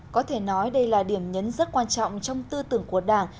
có thể nói đây là điểm nhấn rất quan trọng trong tư tưởng của đảng